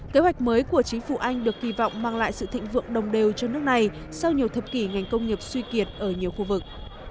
kế hoạch mới của chính phủ anh được kỳ vọng mang lại sự thịnh vượng đồng đều cho nước này sau nhiều thập kỷ ngành công nghiệp suy kiệt ở nhiều khu vực